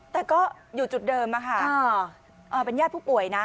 แต่ก็อยู่จุดเดิมค่ะเป็นญาติผู้ป่วยนะ